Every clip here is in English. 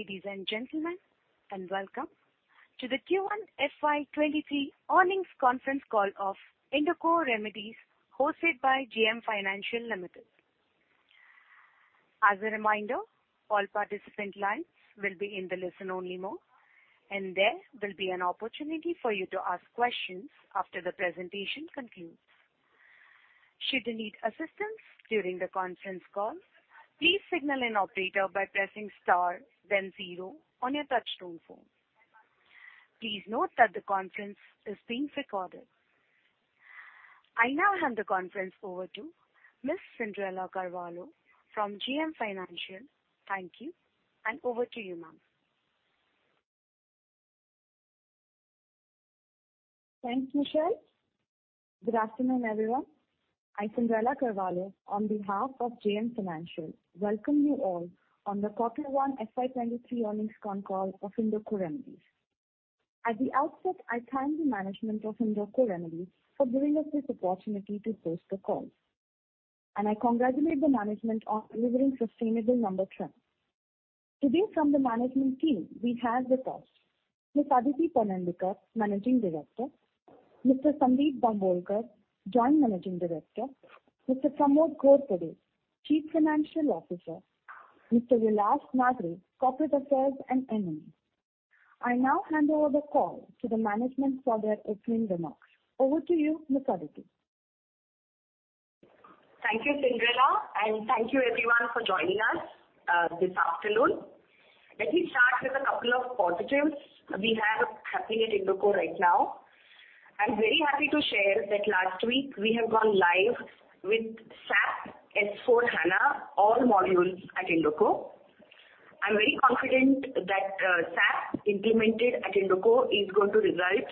Good day, ladies and gentlemen, and welcome to the Q1 FY 2023 earnings conference call of Indoco Remedies hosted by JM Financial Limited. As a reminder, all participant lines will be in the listen-only mode, and there will be an opportunity for you to ask questions after the presentation concludes. Should you need assistance during the conference call, please signal an operator by pressing star then zero on your touchtone phone. Please note that the conference is being recorded. I now hand the conference over to Ms. Cyndrella Carvalho from JM Financial. Thank you, and over to you, ma'am. Thanks, Michelle. Good afternoon, everyone. I, Cyndrella Carvalho, on behalf of JM Financial, welcome you all on the quarter 1 FY 2023 earnings conference call of Indoco Remedies. At the outset, I thank the management of Indoco Remedies for giving us this opportunity to host the call, and I congratulate the management on delivering sustainable number trends. Today from the management team we have with us, Ms. Aditi Panandikar, Managing Director, Mr. Sundeep Bambolkar, Joint Managing Director, Mr. Pramod Ghorpade, Chief Financial Officer, Mr. Vilas Nagare, Corporate Affairs and M&A. I now hand over the call to the management for their opening remarks. Over to you, Ms. Aditi. Thank you, Cyndrella, and thank you everyone for joining us this afternoon. Let me start with a couple of positives we have happening at Indoco right now. I'm very happy to share that last week we have gone live with SAP S/4HANA, all modules at Indoco. I'm very confident that SAP implemented at Indoco is going to result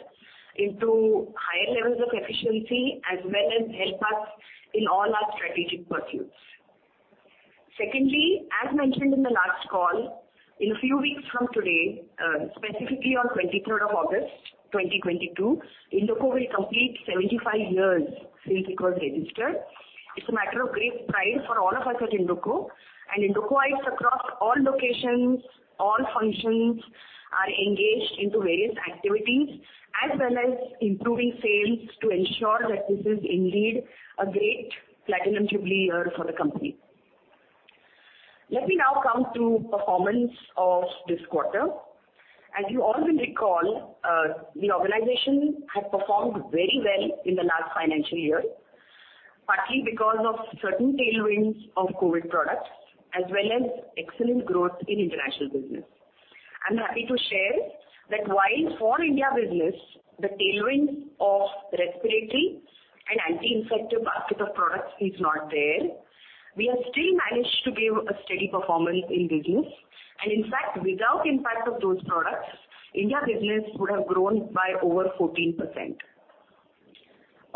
into higher levels of efficiency as well as help us in all our strategic pursuits. Secondly, as mentioned in the last call, in a few weeks from today, specifically on twenty-third of August 2022, Indoco will complete 75 years since it was registered. It's a matter of great pride for all of us at Indoco and Indocoites across all locations, all functions are engaged into various activities as well as improving sales to ensure that this is indeed a great platinum jubilee year for the company. Let me now come to performance of this quarter. As you all will recall, the organization had performed very well in the last financial year, partly because of certain tailwinds of COVID products as well as excellent growth in international business. I'm happy to share that while for India business, the tailwind of respiratory and anti-infective basket of products is not there, we have still managed to give a steady performance in business. In fact, without impact of those products, India business would have grown by over 14%.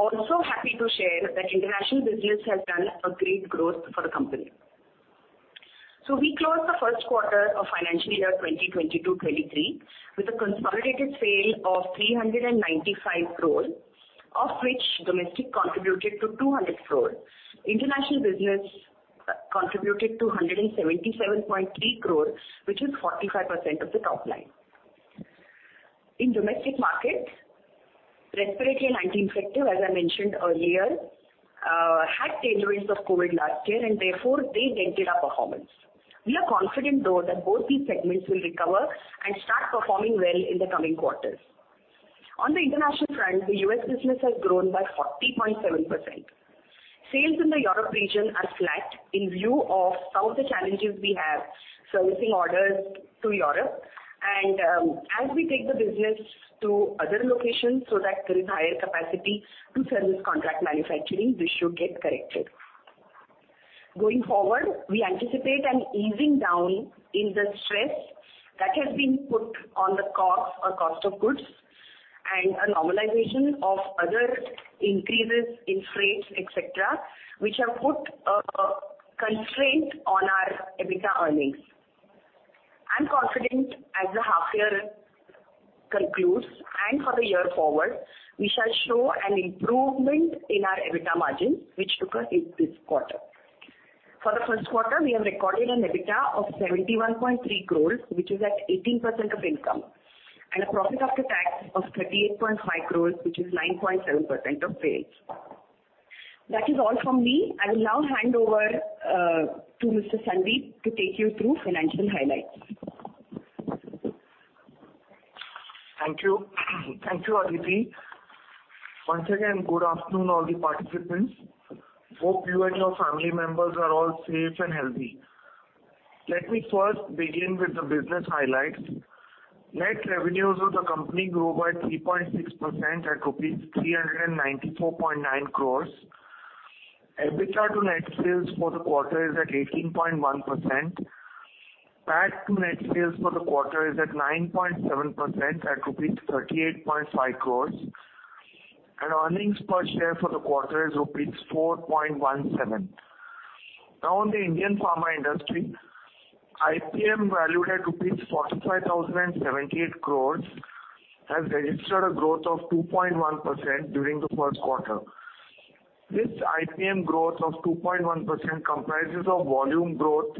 Also happy to share that international business has done a great growth for the company. We closed the first quarter of financial year 2022-23 with a consolidated sale of 395 crores, of which domestic contributed to 200 crores. International business contributed to 177.3 crore, which is 45% of the top line. In domestic markets, respiratory and anti-infective, as I mentioned earlier, had tailwinds of COVID last year and therefore they dented our performance. We are confident though that both these segments will recover and start performing well in the coming quarters. On the international front, the US business has grown by 40.7%. Sales in the Europe region are flat in view of some of the challenges we have servicing orders to Europe. As we take the business to other locations so that there is higher capacity to service contract manufacturing, this should get corrected. Going forward, we anticipate an easing down in the stress that has been put on the COGS or cost of goods and a normalization of other increases in freights, et cetera, which have put a constraint on our EBITDA earnings. I'm confident as the half year concludes and for the year forward, we shall show an improvement in our EBITDA margin, which took a hit this quarter. For the first quarter we have recorded an EBITDA of 71.3 crores, which is at 18% of income, and a profit after tax of 38.5 crores, which is 9.7% of sales. That is all from me. I will now hand over to Mr. Sundeep to take you through financial highlights. Thank you. Thank you, Aditi. Once again, good afternoon all the participants. Hope you and your family members are all safe and healthy. Let me first begin with the business highlights. Net revenues of the company grew by 3.6% at rupees 394.9 crores. EBITDA to net sales for the quarter is at 18.1%. PAT to net sales for the quarter is at 9.7% at rupees 38.5 crores, and earnings per share for the quarter is rupees 4.17. Now, on the Indian pharma industry, IPM valued at rupees 45,078 crore, has registered a growth of 2.1% during the first quarter. This IPM growth of 2.1% comprises of volume growth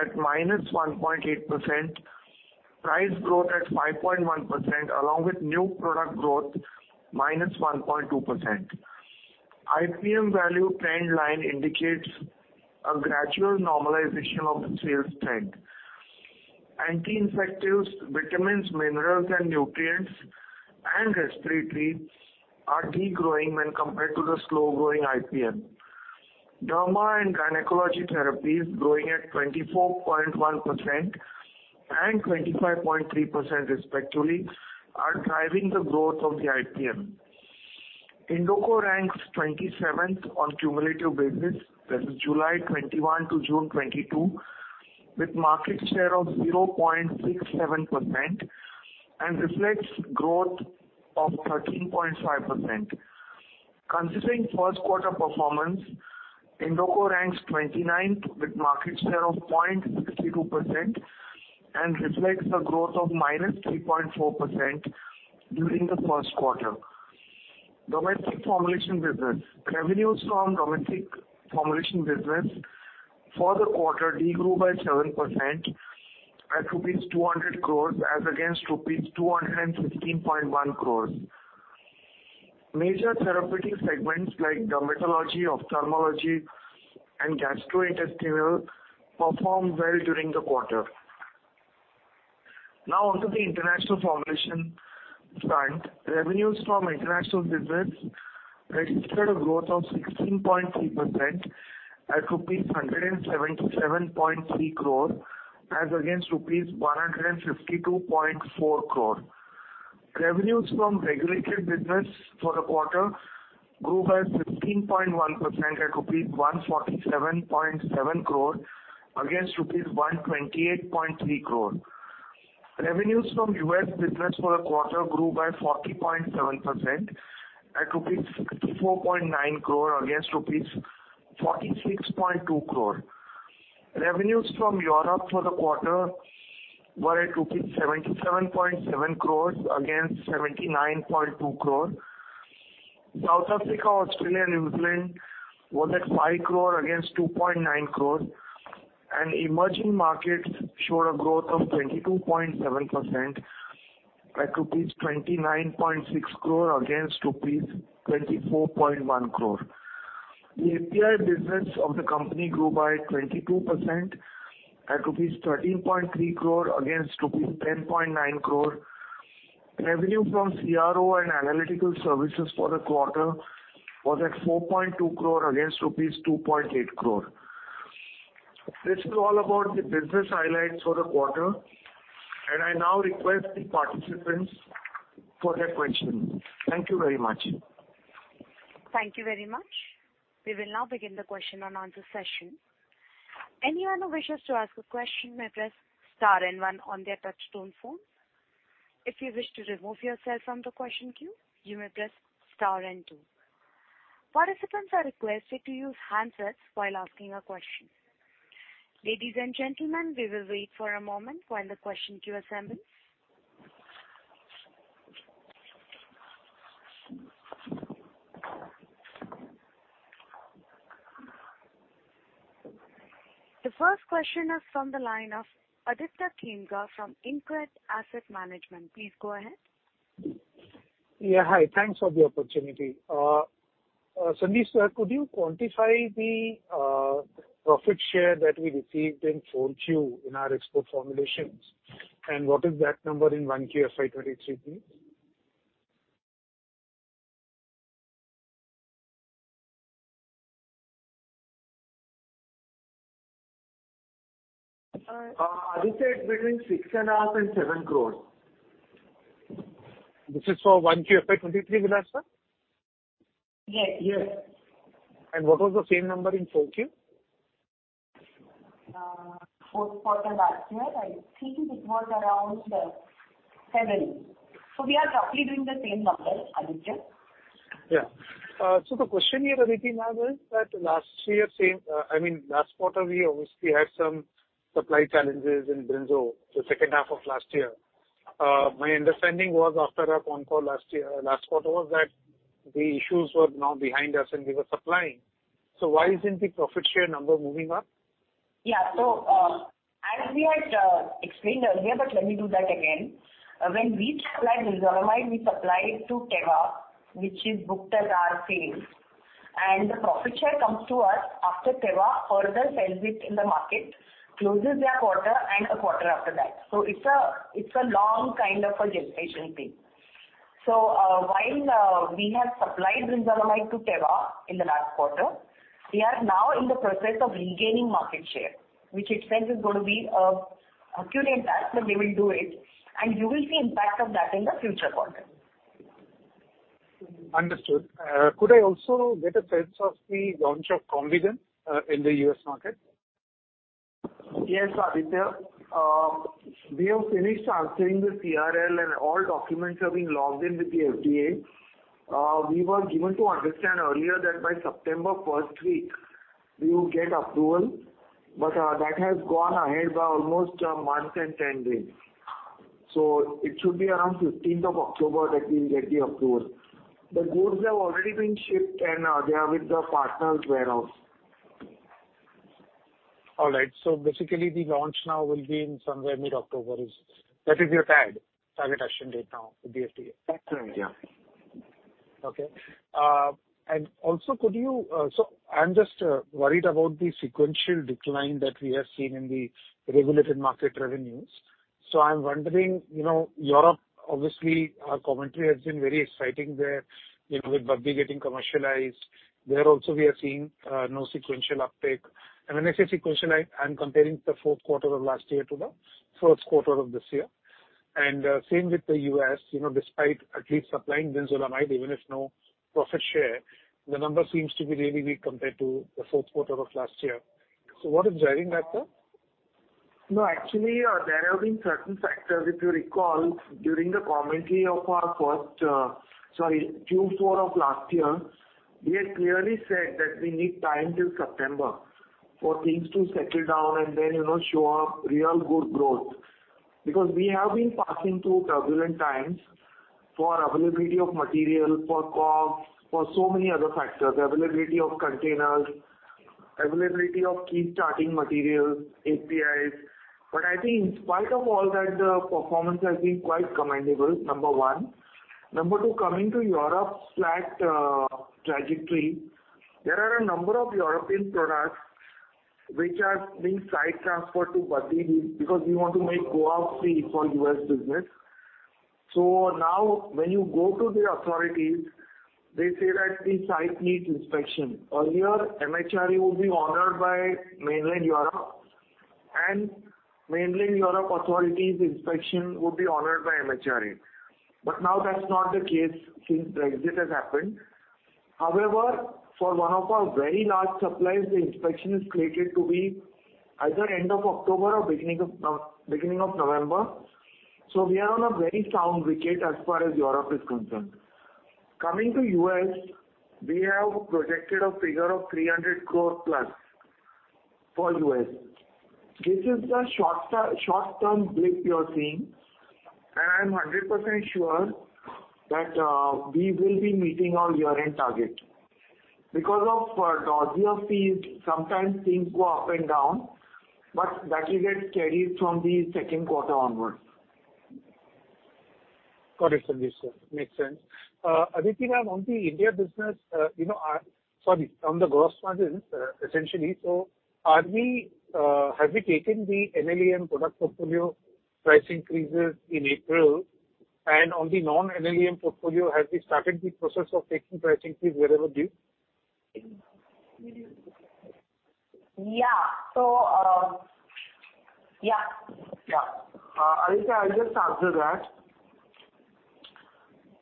at -1.8%, price growth at 5.1%, along with new product growth -1.2%. IPM value trend line indicates a gradual normalization of the sales trend. Anti-infectives, vitamins, minerals and nutrients and respiratory are degrowing when compared to the slow-growing IPM. Derma and gynecology therapies growing at 24.1% and 25.3% respectively, are driving the growth of the IPM. Indoco ranks 27th on cumulative business. That is July 2021 to June 2022, with market share of 0.67% and reflects growth of 13.5%. Considering first quarter performance, Indoco ranks 29th with market share of 0.62% and reflects a growth of -3.4% during the first quarter. Domestic formulation business. Revenues from domestic formulation business for the quarter degrew by 7% at rupees 200 crores as against rupees 215.1 crores. Major therapeutic segments like dermatology, ophthalmology and gastrointestinal performed well during the quarter. Now onto the international formulation front. Revenues from international business registered a growth of 16.3% at rupees 177.3 crore as against rupees 152.4 crore. Revenues from regulated business for the quarter grew by 15.1% at rupees 147.7 crore against rupees 128.3 crore. Revenues from U.S. business for the quarter grew by 40.7% at rupees 64.9 crore against rupees 46.2 crore. Revenues from Europe for the quarter were at rupees 77.7 crore against 79.2 crore. South Africa, Australia, New Zealand was at 5 crore against 2.9 crore, and emerging markets showed a growth of 22.7% at rupees 29.6 crore against rupees 24.1 crore. The API business of the company grew by 22% at rupees 13.3 crore against rupees 10.9 crore. Revenue from CRO and analytical services for the quarter was at 4.2 crore against rupees 2.8 crore. This is all about the business highlights for the quarter, and I now request the participants for their questions. Thank you very much. Thank you very much. We will now begin the question and answer session. Anyone who wishes to ask a question may press star and one on their touchtone phone. If you wish to remove yourself from the question queue, you may press star and two. Participants are requested to use handsets while asking a question. Ladies and gentlemen, we will wait for a moment while the question queue assembles. The first question is from the line of Aditya Khemka from InCred Asset Management. Please go ahead. Yeah. Hi. Thanks for the opportunity. Sundeep, sir, could you quantify the profit share that we received in 4Q in our export formulations? What is that number in 1Q FY23, please? Aditya, it's between 6.5 crores and INR 7 crores. This is for 1Q FY 2023, Vilas sir? Yes. Yes. What was the same number in 4Q? Fourth quarter last year, I think it was around seven. We are roughly doing the same numbers, Aditya. Yeah. The question here, Aditi ma'am, is that last year same, I mean, last quarter we obviously had some supply challenges in Brinzolamide, the second half of last year. My understanding was after our con call last year, last quarter was that the issues were now behind us and we were supplying. Why isn't the profit share number moving up? Yeah. As we had explained earlier, but let me do that again. When we supply Brinzolamide, we supply it to Teva, which is booked as our sales. The profit share comes to us after Teva further sells it in the market, closes their quarter and a quarter after that. It's a long kind of a gestation period. While we have supplied Brinzolamide to Teva in the last quarter, we are now in the process of regaining market share, which expense is going to be accrued in that when we will do it, and you will see impact of that in the future quarters. Understood. Could I also get a sense of the launch of Combigan, in the U.S. market? Yes, Aditya. We have finished answering the CRL, and all documents have been logged in with the FDA. We were given to understand earlier that by September first week we will get approval, but that has gone ahead by almost a month and 10 days. It should be around fifteenth of October that we will get the approval. The goods have already been shipped and they are with the partner's warehouse. All right. Basically the launch now will be in somewhere mid-October. Is that your TAD, target action date now with the FDA? Exactly, yeah. I'm worried about the sequential decline that we have seen in the regulated market revenues. I'm wondering, you know, Europe obviously our commentary has been very exciting there, you know, with Baddi getting commercialized. There also we are seeing no sequential uptake. When I say sequential, I'm comparing the fourth quarter of last year to the first quarter of this year. Same with the U.S., you know, despite at least supplying brinzolamide, even if no profit share, the number seems to be really weak compared to the fourth quarter of last year. What is driving that, sir? No, actually, there have been certain factors. If you recall, during the commentary of our first, sorry, Q4 of last year, we had clearly said that we need time till September for things to settle down and then, you know, show a real good growth. Because we have been passing through turbulent times for availability of material, for COGS, for so many other factors, availability of containers, availability of key starting materials, APIs. I think in spite of all that, the performance has been quite commendable, number one. Number two, coming to Europe's flat trajectory. There are a number of European products which are being site transferred to Baddi because we want to make Goa free for U.S. business. Now when you go to the authorities, they say that the site needs inspection, or here MHRA would be honored by mainland Europe and mainland Europe authorities inspection would be honored by MHRA. Now that's not the case since Brexit has happened. However, for one of our very large suppliers, the inspection is slated to be either end of October or beginning of November. We are on a very sound wicket as far as Europe is concerned. Coming to U.S., we have projected a figure of 300 crore+ for U.S. This is a short term blip you're seeing, and I'm 100% sure that we will be meeting our year-end target. Because of dosage form mix, sometimes things go up and down, but that will get carried from the second quarter onwards. Got it, Sundeep sir. Makes sense. Sorry, Aditi ma'am, on the gross margins, essentially, have we taken the NLEM product portfolio price increases in April? On the non-NLEM portfolio, have we started the process of taking price increase wherever due? Yeah. Yeah. Yeah, Aditi, I'll just add to that.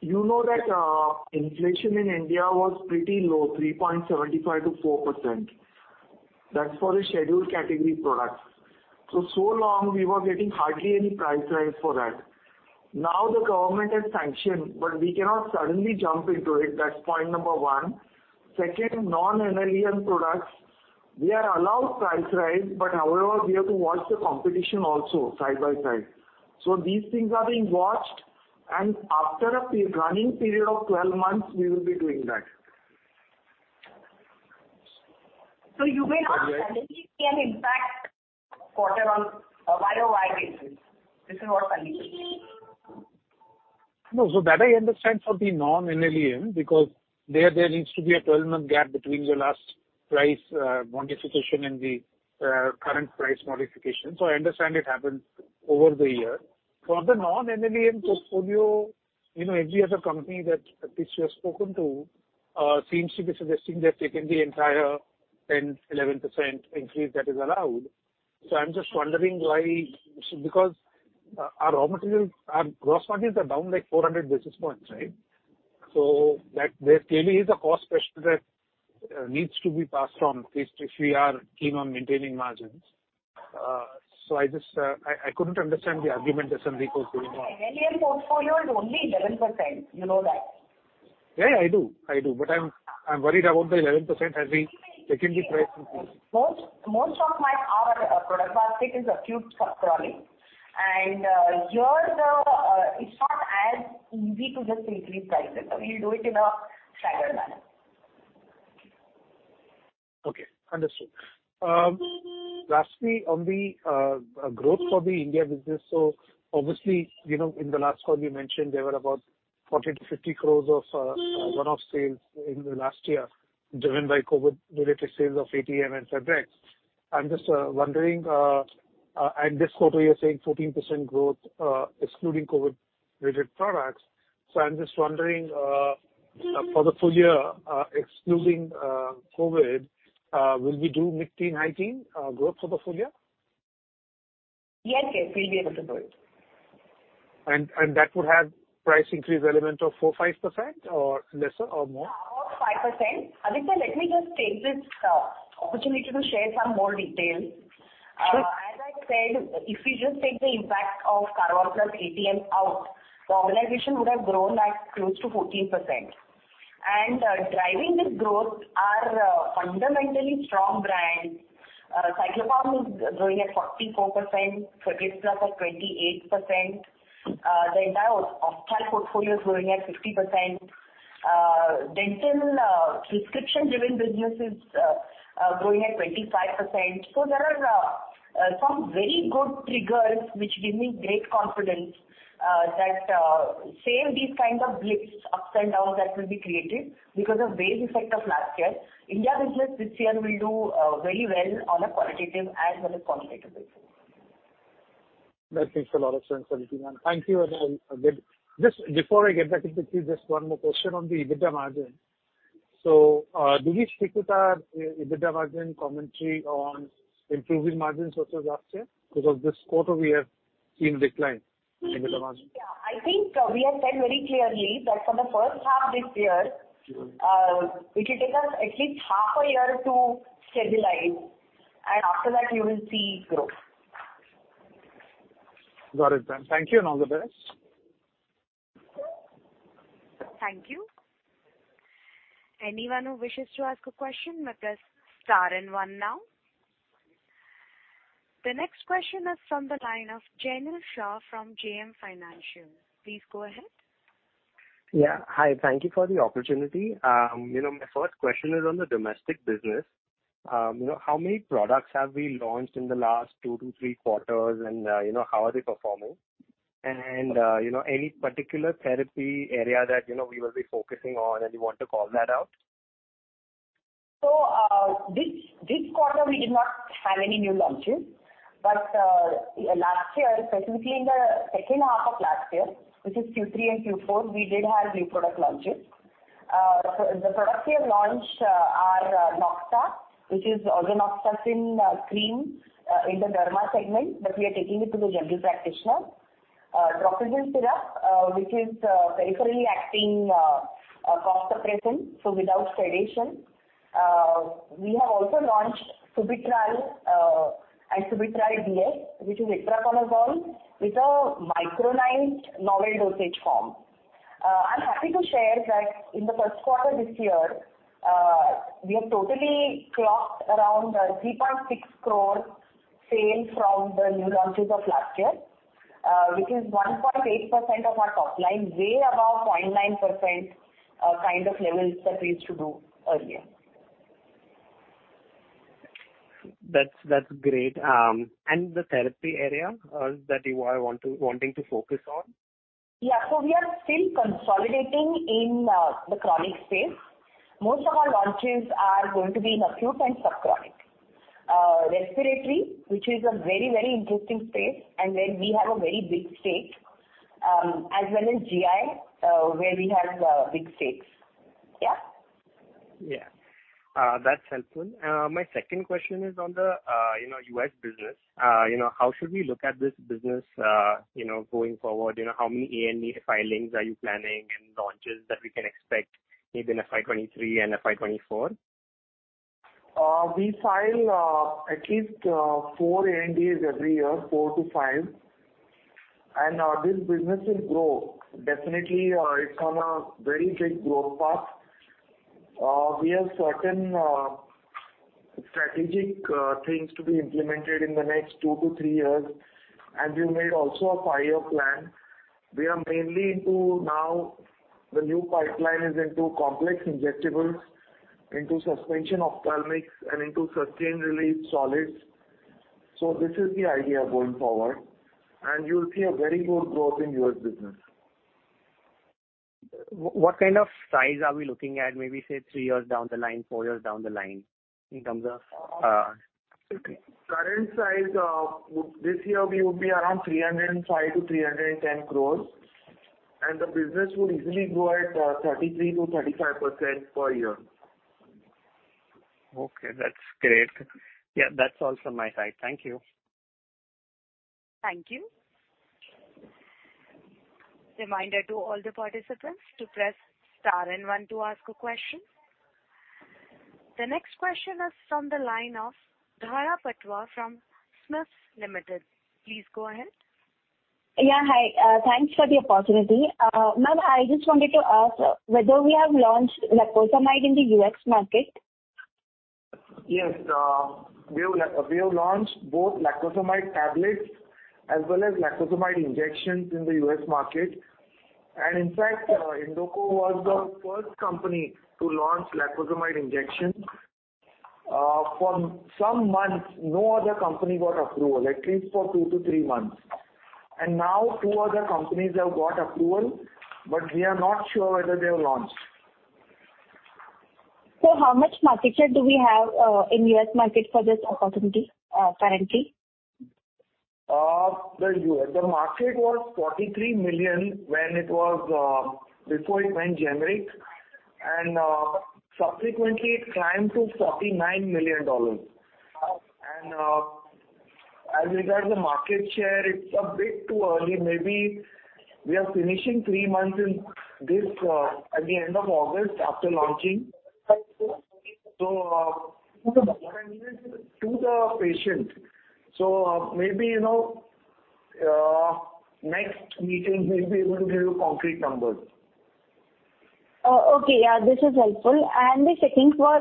You know that inflation in India was pretty low, 3.75%-4%. That's for the scheduled category products. So long we were getting hardly any price rise for that. Now the government has sanctioned, but we cannot suddenly jump into it. That's point number one. Second, non-NLEM products, we are allowed price rise, but however, we have to watch the competition also side by side. So these things are being watched and after a pricing period of 12 months we will be doing that. You may not suddenly see an impact quarter on a YOY basis. This is what I'm saying. No. That I understand for the non-NLEM because there needs to be a 12-month gap between the last price modification and the current price modification. I understand it happens over the year. For the non-NLEM portfolio, you know, AG as a company that which you have spoken to seems to be suggesting they've taken the entire 10-11% increase that is allowed. I'm just wondering why. Because our raw materials, our gross margins are down like 400 basis points, right? That there clearly is a cost pressure that needs to be passed on at least if we are keen on maintaining margins. I just couldn't understand the argument as and because going on. NLEM portfolio is only 11%. You know that. Yeah, I do. I'm worried about the 11%. Have we taken the price increase? Our product basket is acute, chronic. It's not as easy to just increase prices. We'll do it in a staggered manner. Okay. Understood. Lastly, on the growth for the India business, so obviously, you know, in the last call you mentioned there were about 40 crore-50 crore of one-off sales in the last year driven by COVID-related sales of ATM and Febrex. I'm just wondering and this quarter you're saying 14% growth, excluding COVID-related products. I'm just wondering. Mm-hmm. For the full year, excluding COVID, will we do mid-teen, high-teen growth for the full year? Yes, yes, we'll be able to do it. That would have price increase element of 4%-5% or lesser or more? About 5%. Aditya, let me just take this opportunity to share some more details. Sure. As I said, if we just take the impact of Karvol Plus and ATM out, the organization would have grown like close to 14%. Driving this growth are fundamentally strong brands. Cyclopam is growing at 44%, Febrex Plus at 28%. The entire ophthalm portfolio is growing at 50%. Dental prescription-driven business is growing at 25%. There are some very good triggers which give me great confidence that these kind of blips, ups and downs that will be created because of base effect of last year. India business this year will do very well on a qualitative as well as quantitative basis. That makes a lot of sense, Sundeep. Thank you. Just before I get back into this, just one more question on the EBITDA margin. Do we stick with our EBITDA margin commentary on improving margins also last year? Because this quarter we have seen decline in EBITDA margin. Mm-hmm. Yeah. I think we have said very clearly that for the first half this year, it will take us at least half a year to stabilize, and after that you will see growth. Got it then. Thank you, and all the best. Thank you. Anyone who wishes to ask a question may press star and one now. The next question is from the line of Jainil Shah from JM Financial. Please go ahead. Yeah. Hi, thank you for the opportunity. You know, my first question is on the domestic business. You know, how many products have we launched in the last two-three quarters? You know, how are they performing? You know, any particular therapy area that you know, we will be focusing on, and you want to call that out? This quarter we did not have any new launches. Last year, specifically in the second half of last year, which is Q3 and Q4, we did have new product launches. The products we have launched are Noxa, which is ozenoxacin cream in the derma segment, but we are taking it to the general practitioner. Dropizin syrup, which is peripherally acting cough suppressant, so without sedation. We have also launched Subitral and Subitral DS, which is itraconazole with a micronized novel dosage form. I'm happy to share that in the first quarter this year, we have totally clocked around 3.6 crore sales from the new launches of last year, which is 1.8% of our top line, way above 0.9%, kind of levels that we used to do earlier. That's great. The therapy area that you are wanting to focus on? Yeah. We are still consolidating in the chronic space. Most of our launches are going to be in acute and subchronic respiratory, which is a very, very interesting space, and where we have a very big stake, as well as GI, where we have big stakes. Yeah. Yeah. That's helpful. My second question is on the, you know, U.S. business. You know, how should we look at this business, you know, going forward? You know, how many ANDA filings are you planning and launches that we can expect maybe in FY 2023 and FY 2024? We file at least four ANDAs every year, four-five. This business will grow. Definitely, it's on a very big growth path. We have certain strategic things to be implemented in the next two-three years. We made also a five-year plan. We are mainly into now the new pipeline is into complex injectables, into suspension ophthalmic, and into sustained-release solids. This is the idea going forward. You'll see a very good growth in U.S. business. What kind of size are we looking at, maybe say three years down the line, four years down the line in terms of? Current size, this year we would be around 305-310 crore. The business will easily grow at 33%-35% per year. Okay, that's great. Yeah, that's all from my side. Thank you. Thank you. Reminder to all the participants to press star and one to ask a question. The next question is from the line of Dhara Patwa from SMIFS Limited. Please go ahead. Yeah, hi. Thanks for the opportunity. Ma'am, I just wanted to ask whether we have launched lacosamide in the U.S. market? Yes, we have launched both lacosamide tablets as well as lacosamide injections in the U.S. market. In fact, Indoco was the first company to launch lacosamide injections. For some months, no other company got approval, at least for two to three months. Now two other companies have got approval, but we are not sure whether they have launched. How much market share do we have in U.S. market for this opportunity currently? The U.S. market was $43 million when it was before it went generic. Subsequently it climbed to $49 million. As regards the market share, it's a bit too early. Maybe we are finishing three months in this at the end of August after launching. What I mean is to be patient. Maybe, you know, next meeting we'll be able to give you concrete numbers. Okay. Yeah, this is helpful. The second one,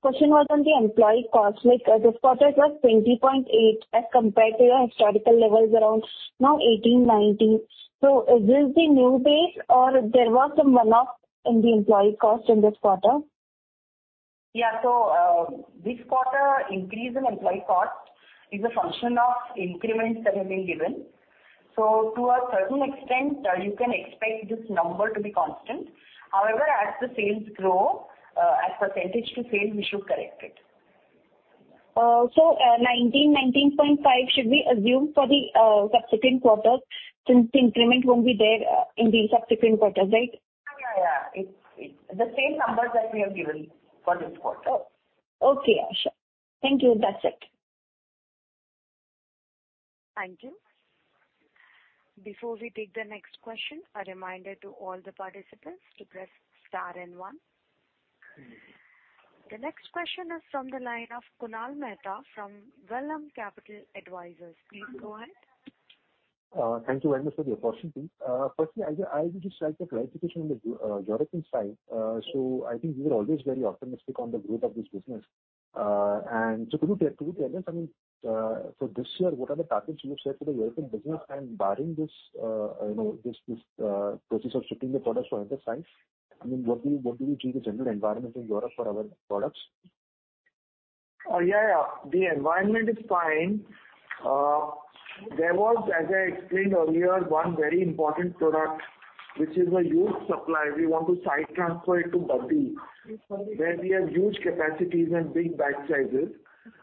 question was on the employee cost. This quarter it was 20.8% as compared to your historical levels around now 18%-19%. Is this the new base or there was some one-off in the employee cost in this quarter? This quarter increase in employee cost is a function of increments that have been given. To a certain extent, you can expect this number to be constant. However, as the sales grow, as percentage to sales, we should correct it. 19.5% should be assumed for the subsequent quarters since the increment won't be there in the subsequent quarters, right? Yeah. It's the same numbers that we have given for this quarter. Oh, okay. Yeah, sure. Thank you. That's it. Thank you. Before we take the next question, a reminder to all the participants to press star and one. The next question is from the line of Kunal Mehta from Vallum Capital Advisors. Please go ahead. Thank you very much for the opportunity. Personally, I would just like a clarification on the European side. I think you were always very optimistic on the growth of this business. Could you tell us, I mean, for this year, what are the targets you have set for the European business? Barring this, you know, this process of shifting the products to other sites, I mean, what do you see the general environment in Europe for our products? Yeah, yeah. The environment is fine. There was, as I explained earlier, one very important product, which is a huge supply. We want to site transfer it to Baddi, where we have huge capacities and big batch sizes.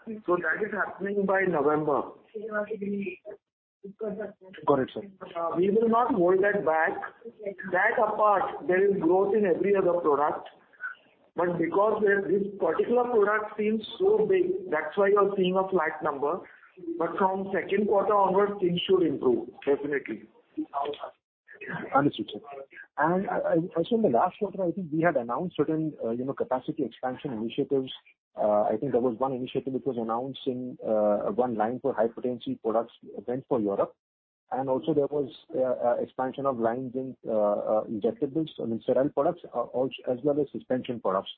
That is happening by November. Got it, sir. We will not hold that back. That apart, there is growth in every other product. Because we have this particular product seems so big, that's why you are seeing a flat number. From second quarter onwards, things should improve. Definitely. Understood, sir. Also in the last quarter, I think we had announced certain, you know, capacity expansion initiatives. I think there was one initiative which was announced in one line for high potency products meant for Europe. Also there was expansion of lines in injectables, I mean, sterile products, as well as suspension products.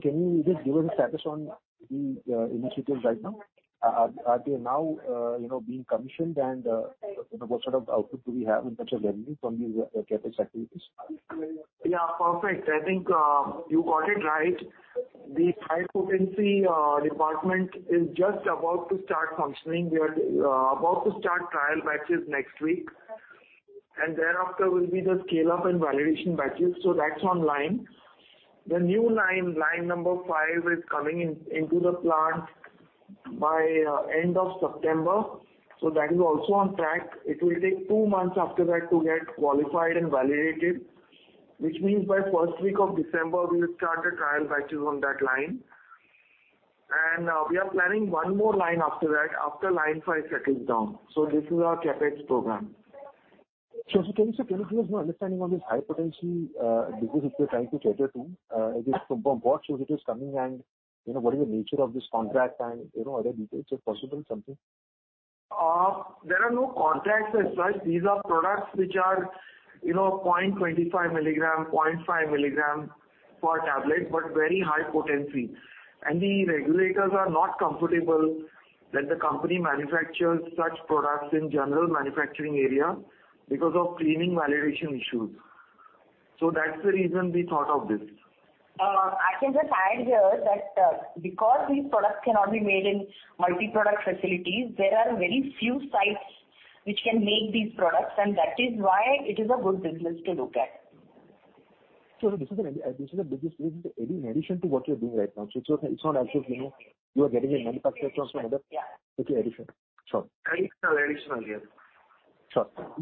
Can you just give us a status on these initiatives right now? Are they now, you know, being commissioned? You know, what sort of output do we have in terms of revenue from these CapEx activities? Yeah, perfect. I think, you got it right. The high potency department is just about to start functioning. We are about to start trial batches next week, and thereafter will be the scale-up and validation batches. That's online. The new line number five, is coming in into the plant by end of September. That is also on track. It will take two months after that to get qualified and validated, which means by first week of December we will start the trial batches on that line. We are planning one more line after that, after line five settles down. This is our CapEx program. Can you give us more understanding on this high potency business that you're trying to cater to? It is from what sources it is coming and, you know, what is the nature of this contract and, you know, other details, if possible, something. There are no contracts as such. These are products which are, you know, 0.25 milligram, 0.5 milligram per tablet, but very high potency. The regulators are not comfortable that the company manufactures such products in general manufacturing area because of cleaning validation issues. That's the reason we thought of this. I can just add here that, because these products cannot be made in multi-product facilities, there are very few sites which can make these products, and that is why it is a good business to look at. This is a business in addition to what you are doing right now. It's not as if, you know, you are getting a manufacturer from some other- Yeah. It's in addition. Sure. Additional. Yeah.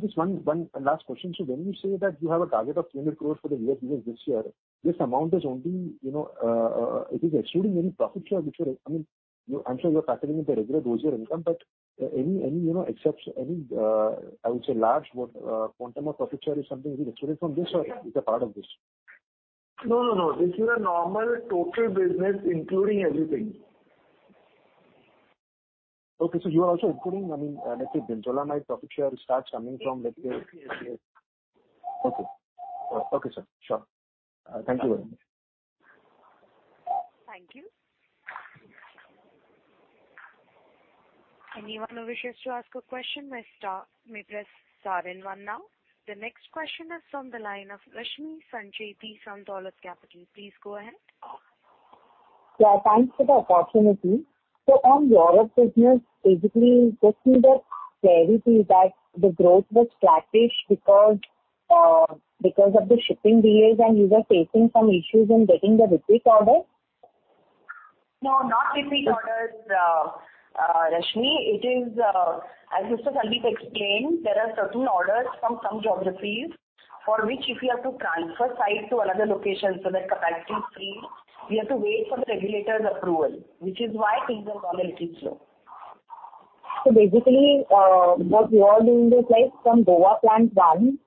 Just one last question. When you say that you have a target of 300 crores for the year because this year, this amount is only, you know, it is excluding any profit share which would, I mean, you, I'm sure you are factoring in the regular royalty income, but any, you know, except any, I would say large quantum of profit share is something excluded from this or it's a part of this? No, no. This is a normal total business, including everything. Okay. You are also including, I mean, let's say Brinzolamide profit share starts coming from, let's say. Okay. Okay, sir. Sure. Thank you very much. Thank you. Anyone who wishes to ask a question may press star one now. The next question is from the line of Rashmi Sancheti from Dolat Capital. Please go ahead. Yeah, thanks for the opportunity. On Europe business, basically just need a clarity that the growth was flattish because of the shipping delays and you were facing some issues in getting the repeat orders? No, not repeat orders, Rashmi. It is, as Mr. Sundeep explained, there are certain orders from some geographies for which if you have to transfer site to another location so that capacity is freed, we have to wait for the regulator's approval, which is why things have gone a little slow. Basically, what you are doing is like from Goa Plant one,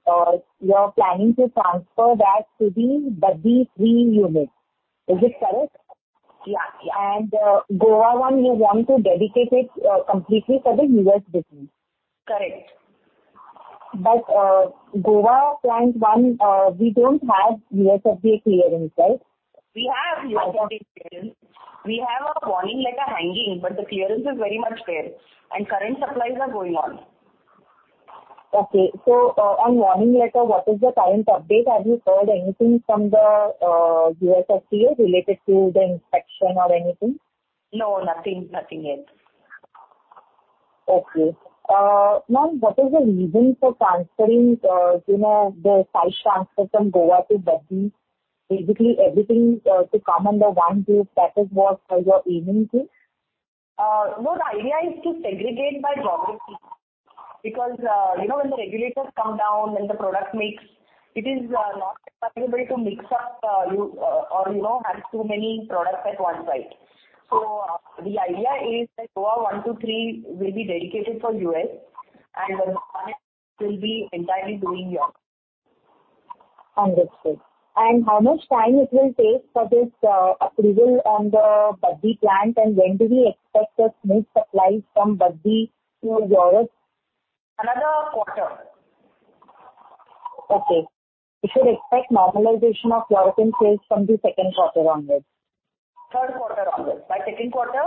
you are planning to transfer that to the Baddi 3 unit. Is it correct? Yeah. Goa one, you want to dedicate it completely for the U.S. business. Correct. Goa plant one, we don't have USFDA clearance, right? We have USFDA clearance. We have a warning letter hanging, but the clearance is very much there, and current supplies are going on. Okay. On warning letter, what is the current update? Have you heard anything from the USFDA related to the inspection or anything? No, nothing. Nothing yet. Okay. Ma'am, what is the reason for transferring, you know, the site transfer from Goa to Baddi? Basically everything to come under one roof. That is what you are aiming to? No, the idea is to segregate by geography because, you know, when the regulators come down, when the product mix, it is not possible to mix up or, you know, have too many products at one site. The idea is that Goa one, two, three will be dedicated for US and Baddi will be entirely doing Europe. Understood. How much time it will take for this, approval on the Baddi plant and when do we expect the smooth supplies from Baddi to Europe? Another quarter. Okay. We should expect normalization of European sales from the second quarter onwards. Third quarter onwards. By second quarter,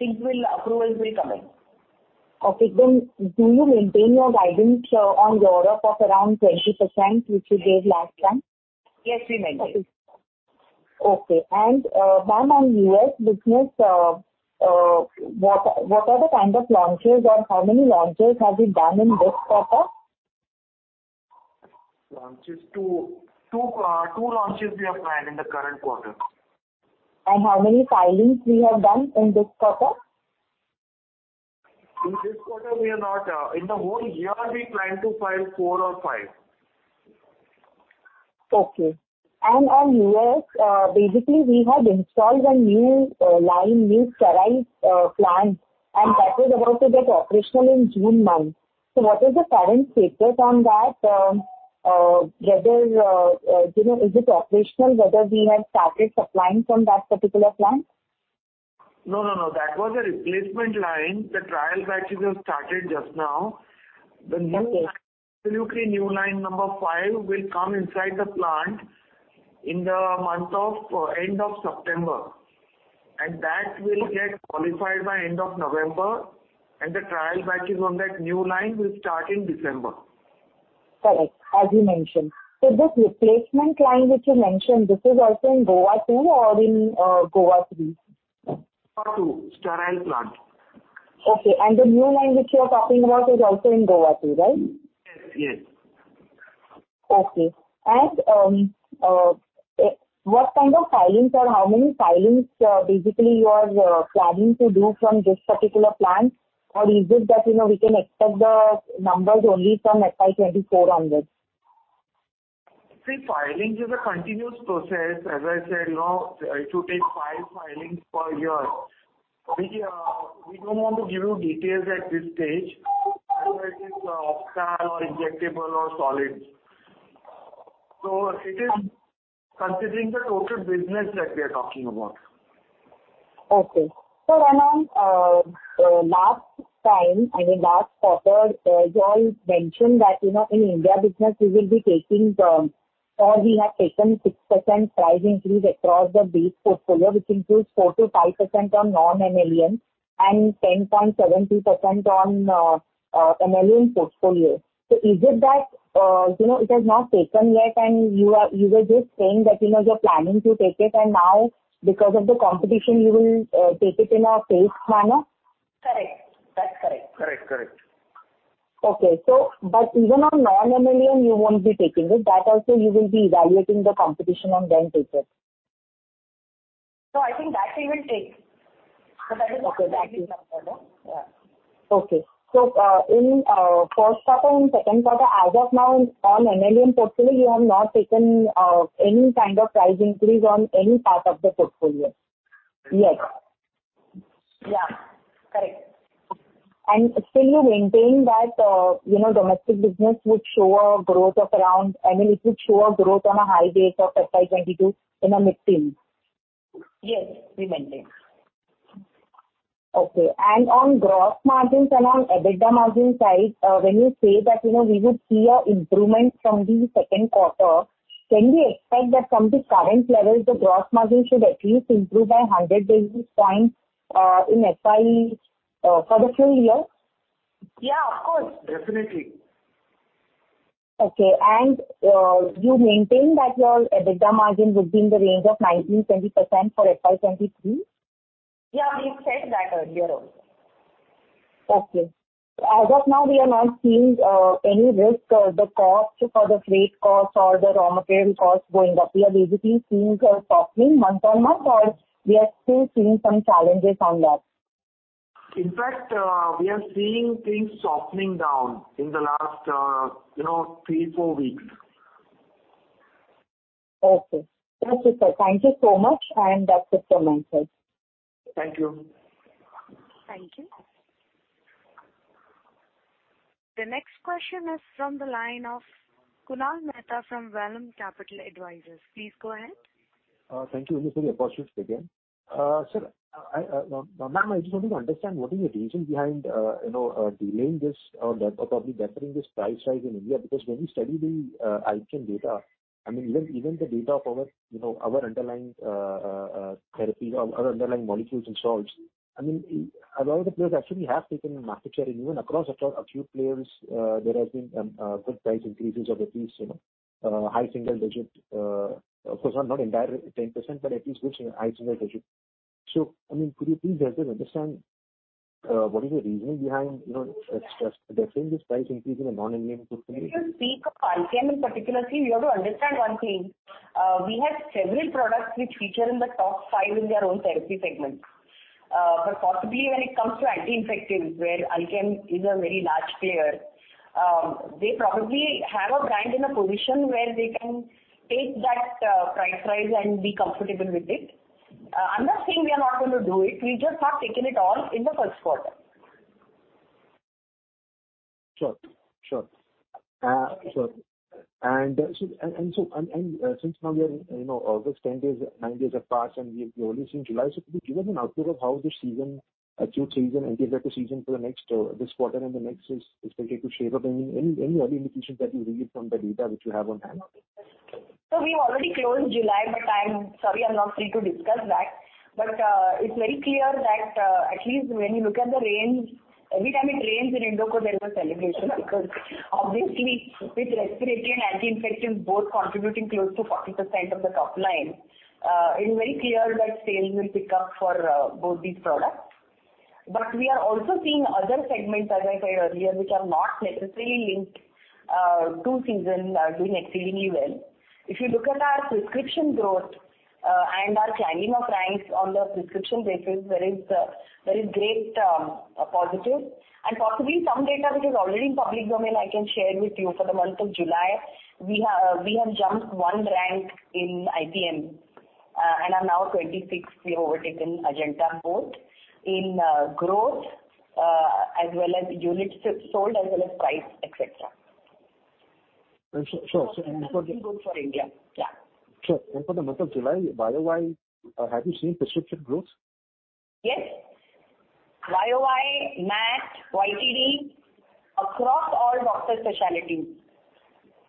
approval will be coming. Okay. Do you maintain your guidance on Europe of around 20%, which you gave last time? Yes, we maintain. Okay. Ma'am, on U.S. business, what are the kind of launches or how many launches have you done in this quarter? Launches, 2. 2 launches we have planned in the current quarter. How many filings we have done in this quarter? In this quarter we have not. In the whole year we plan to file four or five. Okay. On U.S., basically we had installed a new line, new sterile plant, and that was about to get operational in June month. What is the current status on that? Whether, you know, is it operational, whether we have started supplying from that particular plant? No, no. That was a replacement line. The trial batches have started just now. Okay. The new line, absolutely new line number five will come inside the plant at the end of September, and that will get qualified by end of November, and the trial batches on that new line will start in December. Correct. As you mentioned. This replacement line which you mentioned, this is also in Goa 2 or in, Goa 3? Goa 2. Sterile plant. Okay. The new line which you're talking about is also in Goa 2, right? Yes, yes. Okay. What kind of filings or how many filings, basically you are planning to do from this particular plant, or is it that, you know, we can expect the numbers only from FY 2024 onwards? See, filing is a continuous process. As I said, you know, it will take five filings per year. We don't want to give you details at this stage whether it is oral, injectable or solids. It is considering the total business that we are talking about. Okay. Aditi, last time, I mean, last quarter, you all mentioned that, you know, in India business you will be taking or we have taken 6% price increase across the base portfolio, which includes 4%-5% on non-NLEM and 10.70% on NLEM portfolio. Is it that, you know, it has not taken yet and you were just saying that, you know, you're planning to take it and now because of the competition you will take it in a phased manner? Correct. That's correct. Correct. Okay. Even on non-NLEM you won't be taking it. That also you will be evaluating the competition and then take it. I think that we will take, but I just want to. Okay. Got it. Yeah. Okay. In first quarter and second quarter, as of now on NLEM portfolio, you have not taken any kind of price increase on any part of the portfolio. Yes. Yeah. Correct. Still you maintain that domestic business would show a growth on a high base of FY 2022 in a mid-teens%. Yes, we maintain. Okay. On gross margins and on EBITDA margin side, when you say that, you know, we would see an improvement from the second quarter, can we expect that from the current levels, the gross margin should at least improve by 100 basis points, in FY, for the full year? Yeah, of course. Definitely. Okay. You maintain that your EBITDA margin within the range of 19%-20% for FY 2023? Yeah, we've said that earlier also. Okay. As of now, we are not seeing any risk, the cost or the freight cost or the raw material cost going up. We are basically seeing softening month-on-month, or we are still seeing some challenges on that. In fact, we are seeing things softening down in the last, you know, three-four weeks. Okay. That's it, sir. Thank you so much, and that's it from my side. Thank you. Thank you. The next question is from the line of Kunal Mehta from Vallum Capital Advisors. Please go ahead. Thank you. Sorry, apologies again. Ma'am, I just wanted to understand what is the reason behind, you know, delaying this or probably deferring this price rise in India. Because when we study the Alkem data, I mean, even the data of our, you know, underlying molecules and salts, I mean, a lot of the players actually have taken market share, and even across a few players, there has been good price increases of at least, you know, high single digit, of course not entire 10%, but at least good high single digit. I mean, could you please help me understand what is the reasoning behind, you know, deferring this price increase in a non-Indian portfolio? If you speak of Alkem in particular, see, you have to understand one thing. We have several products which feature in the top five in their own therapy segment. Possibly when it comes to anti-infectives, where Alkem is a very large player, they probably have a brand in a position where they can take that price rise and be comfortable with it. I'm not saying we are not going to do it. We just have taken it all in the first quarter. Sure. Since now we are in, you know, August, 10 days, nine days have passed, and we only seen July, so could you give an outlook of how the season, Q3 season and give that a season for the next, this quarter and the next is likely to shape up? Any early indications that you read from the data which you have on hand? We've already closed July, but I'm sorry I'm not free to discuss that. It's very clear that, at least when you look at the rains, every time it rains in Indoco there's a celebration because obviously with respiratory and anti-infectives both contributing close to 40% of the top line, it's very clear that sales will pick up for both these products. We are also seeing other segments, as I said earlier, which are not necessarily linked to season are doing exceedingly well. If you look at our prescription growth and our climbing of ranks on the prescription basis, there is great positive and possibly some data which is already in public domain I can share with you. For the month of July, we have jumped one rank in IPM and are now twenty-sixth. We overtaken Ajanta both in growth as well as units sold as well as price, et cetera. And so- Things are looking good for India. Yeah. Sure. For the month of July, YOY, have you seen prescription growth? Yes. YOY, MAT, YTD, across all doctor specialties,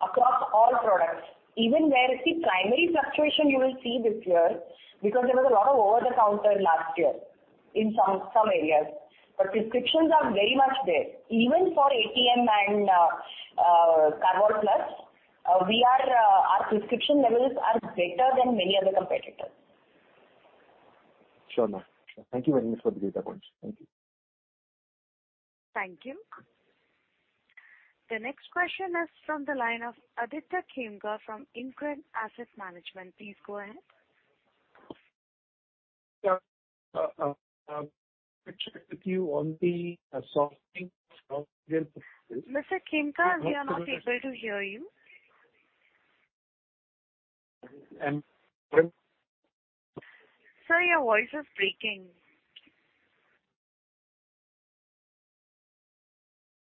across all products. Even where. See, primary fluctuation you will see this year because there was a lot of over-the-counter last year in some areas. Prescriptions are very much there. Even for ATM and Karvol Plus, our prescription levels are better than many other competitors. Sure, ma'am. Sure. Thank you very much for the data points. Thank you. Thank you. The next question is from the line of Aditya Khemka from InCred Asset Management. Please go ahead. Yeah. Uh, uh, picture with you on the, uh, softening of- Mr. Khemka, we are not able to hear you. Um. Sir, your voice is breaking.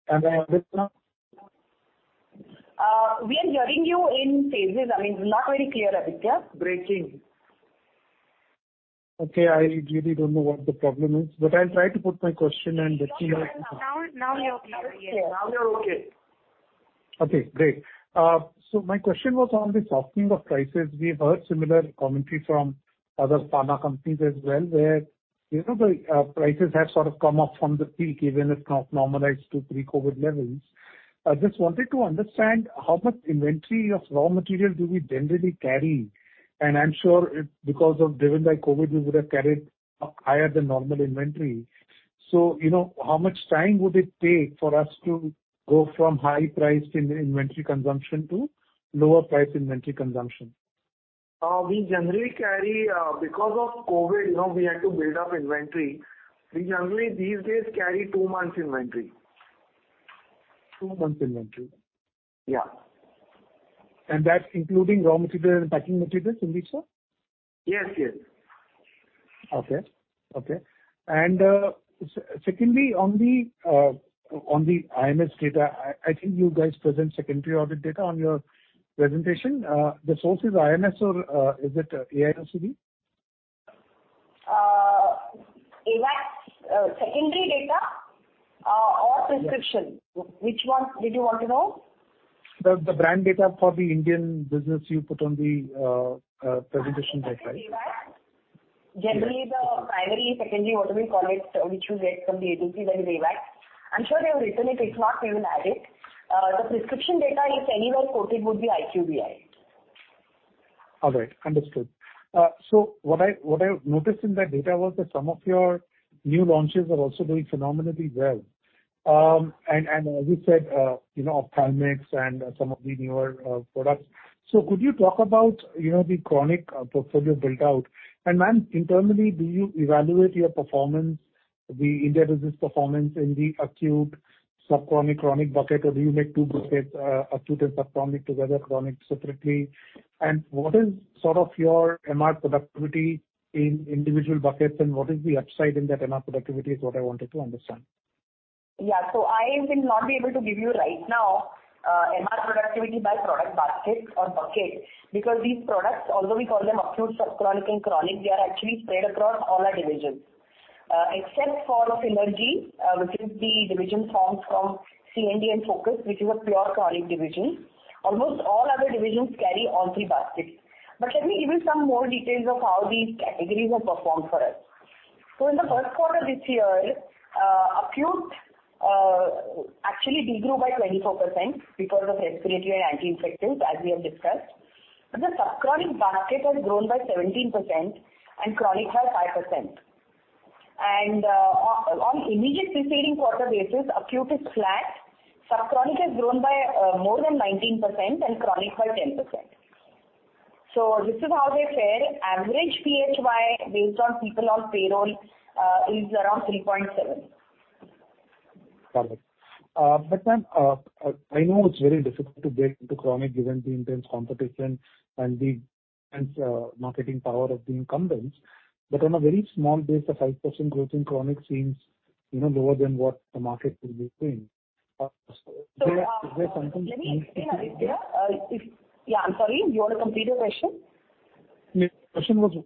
Am I audible now? We are hearing you in phases. I mean, it's not very clear, Aditya. Okay, I really don't know what the problem is, but I'll try to put my question and let's see. Now we are okay. Yes. Now we are okay. Okay, great. My question was on the softening of prices. We have heard similar commentary from other pharma companies as well, where, you know, the prices have sort of come off from the peak, even it's not normalized to pre-COVID levels. I just wanted to understand how much inventory of raw material do we generally carry? I'm sure it, because of driven by COVID, we would have carried higher than normal inventory. You know, how much time would it take for us to go from high priced in inventory consumption to lower priced inventory consumption? We generally carry, because of COVID, you know, we had to build up inventory. We generally these days carry two months inventory. Two months inventory. Yeah. That's including raw material and packing material, Sundeep sir? Yes, yes. Okay. Secondly, on the IMS data, I think you guys present secondary audit data on your presentation. The source is IMS or is it AIOCD? AWACS, secondary data, or prescription. Which one did you want to know? The brand data for the Indian business you put on the presentation deck, right? That's AWACS. Generally the primary, secondary, whatever we call it, which you get from the agency that is AWACS. I'm sure they have written it. If not, we will add it. The prescription data, if anywhere quoted, would be IQVIA. All right. Understood. What I noticed in that data was that some of your new launches are also doing phenomenally well. As you said, you know, ophthalmics and some of the newer products. Could you talk about, you know, the chronic portfolio built out? Ma'am, internally, do you evaluate your performance? The India business performance in the acute subchronic chronic bucket, or do you make two buckets, acute and subchronic together, chronic separately? What is sort of your MR productivity in individual buckets and what is the upside in that MR productivity is what I wanted to understand. Yeah. I will not be able to give you right now, MR productivity by product baskets or buckets, because these products, although we call them acute, subchronic and chronic, they are actually spread across all our divisions. Except for Synergy, which is the division formed from CND and Focus, which is a pure chronic division. Almost all other divisions carry all three baskets. Let me give you some more details of how these categories have performed for us. In the first quarter this year, acute actually de-grew by 24% because of respiratory and anti-infectives, as we have discussed. The subchronic basket has grown by 17% and chronic by 5%. On immediate preceding quarter basis, acute is flat. Subchronic has grown by more than 19% and chronic by 10%. This is how they fare. Average PCPM based on people on payroll is around 3.7. Perfect. Ma'am, I know it's very difficult to break into chronic given the intense competition and the intense marketing power of the incumbents. On a very small base, the 5% growth in chronic seems, you know, lower than what the market will be seeing. So is there something? I'm sorry. You want to complete your question? Yeah. The question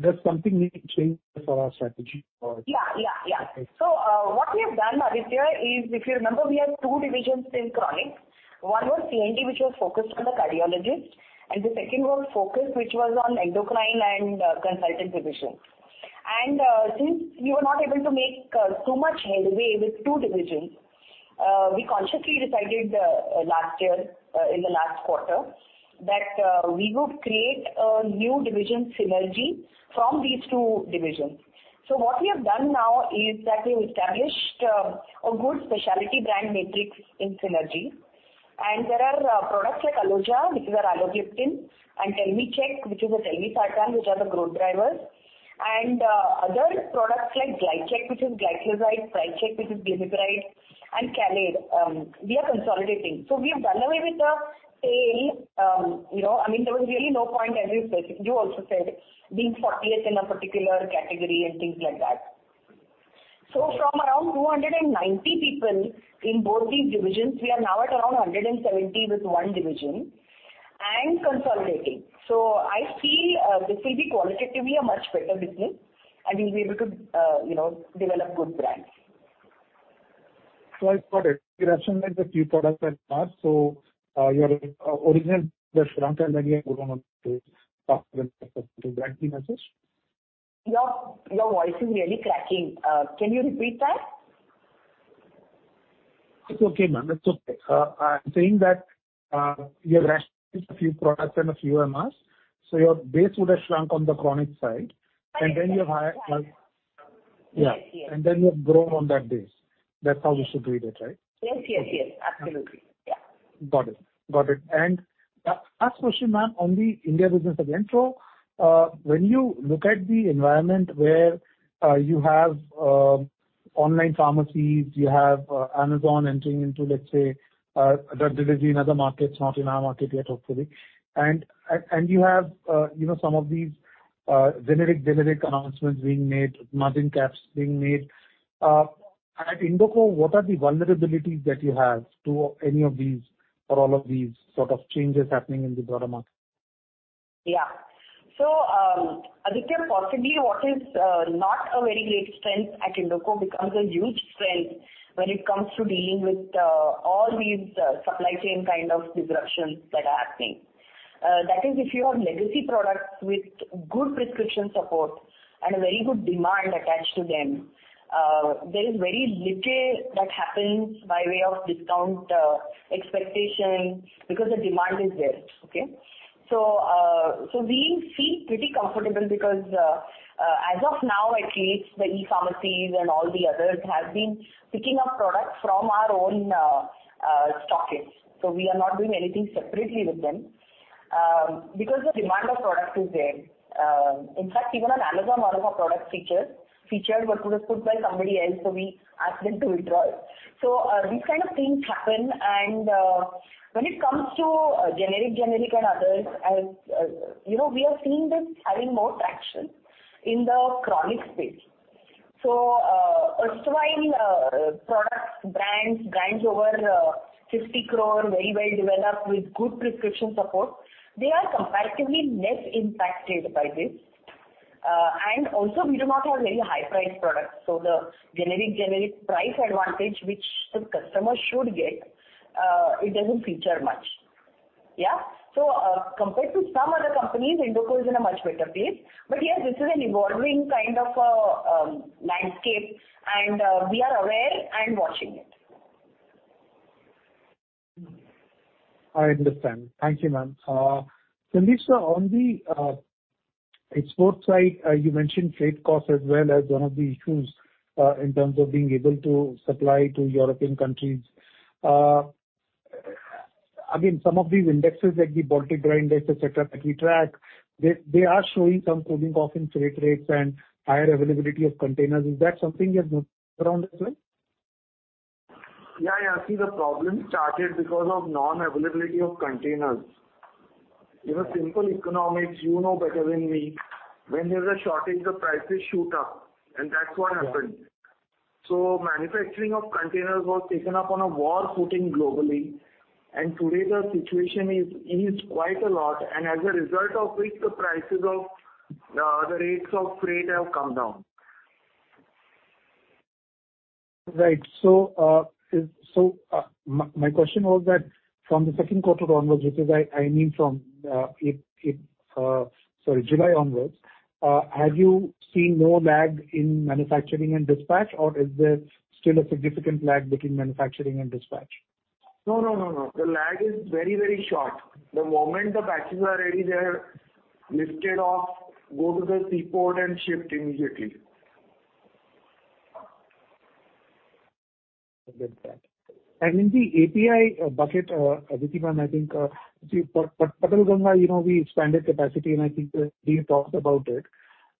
was, does something need to change as far as strategy or. Yeah. What we have done, Aditya, is if you remember, we had two divisions in chronic. One was CND, which was focused on the cardiologist, and the second was Focus, which was on endocrine and consultant division. Since we were not able to make too much headway with two divisions, we consciously decided last year in the last quarter that we would create a new division, Synergy, from these two divisions. What we have done now is that we've established a good specialty brand matrix in Synergy. There are products like Aloja, which is our alogliptin, and Telmichek, which is a telmisartan, which are the growth drivers. Other products like Glychek, which is gliclazide, Price Check, which is glimepiride, and Cal-Aid, we are consolidating. We have done away with the tail, you know. I mean, there was really no point, as you said, you also said, being fortieth in a particular category and things like that. From around 290 people in both these divisions, we are now at around 170 with one division and consolidating. I feel this will be qualitatively a much better business and we'll be able to, you know, develop good brands. I've got it. You rationalized a few products at MR. Your portfolio just shrunk and then you have grown on to brand new molecules. Your voice is really cracking. Can you repeat that? It's okay, ma'am. It's okay. I'm saying that you have rationalized a few products and a few MRs, so your base would have shrunk on the chronic side. Right. Yes. Yeah. Yes. Yes. You have grown on that base. That's how we should read it, right? Yes, yes. Absolutely. Yeah. Got it. Last question, ma'am, on the India business again. When you look at the environment where you have online pharmacies, you have Amazon entering into, let's say, the region, other markets, not in our market yet, hopefully. You have, you know, some of these generic announcements being made, margin caps being made. At Indoco, what are the vulnerabilities that you have to any of these or all of these sort of changes happening in the broader market? Yeah. Aditya, possibly what is not a very great strength at Indoco becomes a huge strength when it comes to dealing with all these supply chain kind of disruptions that are happening. That is if you have legacy products with good prescription support and a very good demand attached to them, there is very little that happens by way of discount expectation because the demand is there. Okay? So we feel pretty comfortable because, as of now, at least the e-pharmacies and all the others have been picking up products from our own stockists. So we are not doing anything separately with them, because the demand of product is there. In fact, even on Amazon one of our products featured but could have put by somebody else, so we asked them to withdraw it. These kind of things happen. When it comes to generic and others, as you know, we have seen this having more traction in the chronic space. Erstwhile products, brands over 50 crore, very well developed with good prescription support, they are comparatively less impacted by this. Also we do not have very high priced products. The generic price advantage, which the customer should get, it doesn't feature much. Yeah. Compared to some other companies, Indoco is in a much better place. Yes, this is an evolving kind of landscape and we are aware and watching it. I understand. Thank you, ma'am. Sundeep, on the export side, you mentioned freight costs as well as one of the issues in terms of being able to supply to European countries. Again, some of these indexes like the Baltic Dry Index, et cetera, that we track, they are showing some cooling off in freight rates and higher availability of containers. Is that something you have noticed around as well? Yeah, yeah. See, the problem started because of non-availability of containers. You know, simple economics, you know better than me. When there's a shortage, the prices shoot up, and that's what happened. Yeah. Manufacturing of containers was taken up on a war footing globally, and today the situation is eased quite a lot, and as a result of which the prices of the rates of freight have come down. My question was that from the second quarter onwards, which is, I mean from July onwards, have you seen more lag in manufacturing and dispatch, or is there still a significant lag between manufacturing and dispatch? No, no, no. The lag is very, very short. The moment the batches are ready, they're lifted off, go to the seaport and shipped immediately. I get that. In the API bucket, Aditi ma'am, I think. See, for Patalganga, you know, we expanded capacity, and I think we've talked about it.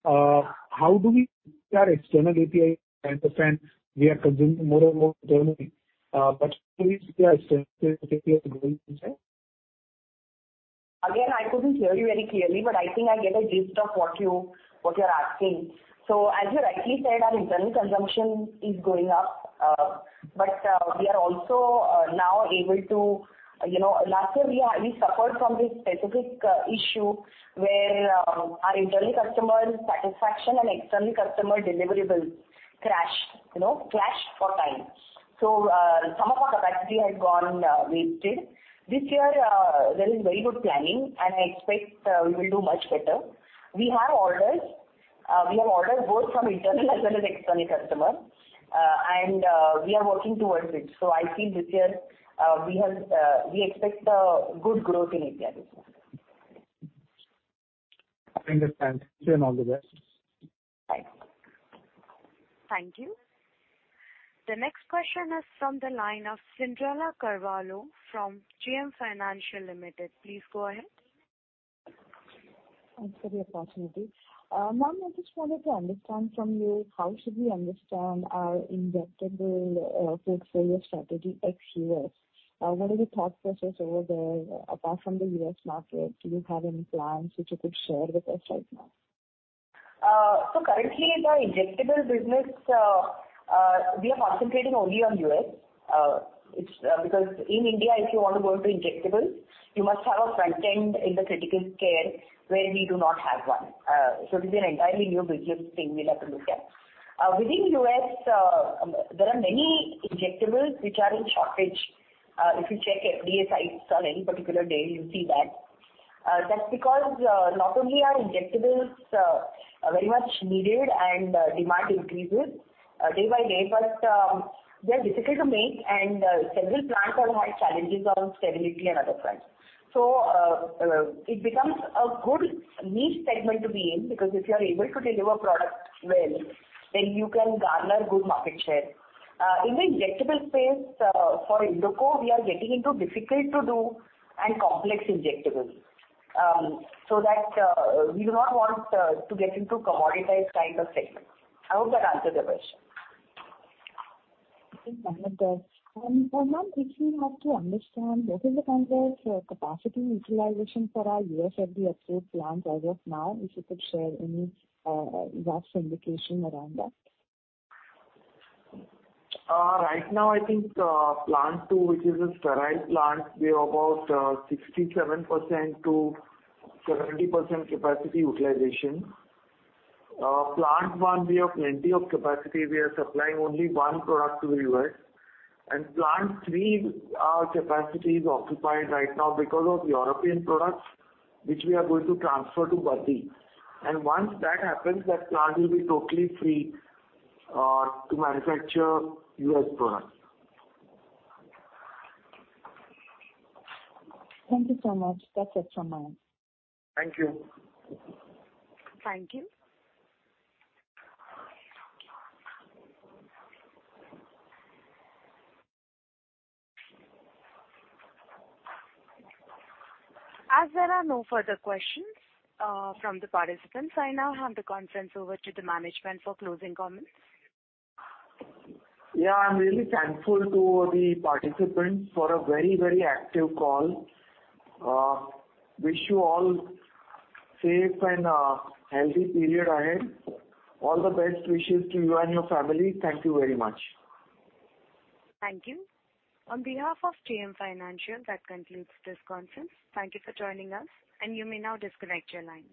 How do we stand external API percentage we are consuming more and more internally, but please give us. Again, I couldn't hear you very clearly, but I think I get a gist of what you're asking. As you rightly said, our internal consumption is going up, but we are also now able to, you know, last year we suffered from this specific issue where our internal customer satisfaction and external customer deliverable clashed for time. Some of our capacity had gone wasted. This year, there is very good planning, and I expect we will do much better. We have orders. We have orders both from internal as well as external customer, and we are working towards it. I feel this year we expect a good growth in API this year. I understand. Wish you all the best. Thanks. Thank you. The next question is from the line of Cyndrella Carvalho from JM Financial Limited. Please go ahead. Thanks for the opportunity. Ma'am, I just wanted to understand from you how should we understand our injectable portfolio strategy ex-U.S.? What is the thought process over there apart from the U.S. market? Do you have any plans which you could share with us right now? Currently the injectable business we are concentrating only on U.S., because in India, if you want to go into injectables, you must have a front end in the critical care where we do not have one. This is an entirely new business thing we'll have to look at. Within U.S., there are many injectables which are in shortage. If you check FDA sites on any particular day, you'll see that. That's because, not only are injectables very much needed and demand increases day by day, but they're difficult to make and several plants have had challenges on sterility and other fronts. It becomes a good niche segment to be in because if you are able to deliver products well, then you can garner good market share. In the injectable space, for Indoco, we are getting into difficult to do and complex injectables, so that we do not want to get into commoditized kind of segment. I hope that answers your question. It does. Ma'am, if we have to understand what is the kind of capacity utilization for our USFDA approved plants as of now, if you could share any rough indication around that. Right now, I think, plant two, which is a sterile plant, we are about 67%-70% capacity utilization. Plant one, we have plenty of capacity. We are supplying only one product to the US. Plant three, our capacity is occupied right now because of European products, which we are going to transfer to Baddi. Once that happens, that plant will be totally free to manufacture US products. Thank you so much. That's it from my end. Thank you. Thank you. As there are no further questions, from the participants, I now hand the conference over to the management for closing comments. Yeah. I'm really thankful to the participants for a very, very active call. Wish you all safe and healthy period ahead. All the best wishes to you and your family. Thank you very much. Thank you. On behalf of JM Financial, that concludes this conference. Thank you for joining us, and you may now disconnect your line.